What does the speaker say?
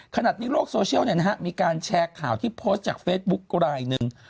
ขนาดนี้โลกโซเชียลเนี่ยนะฮะมีการแชร์ข่าวที่โพสต์จากเฟซบุ๊กก็รายหนึ่ง